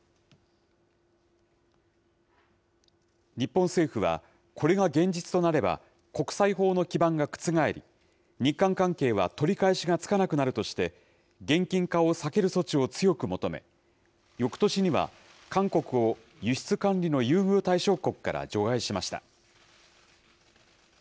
日本政府は、これが現実となれば、国際法の基盤がくつがえり、日韓関係は取り返しがつかなくなるとして、現金化を避ける措置を強く求め、よくとしには、韓国を輸出管理の優遇対象国から除外しました。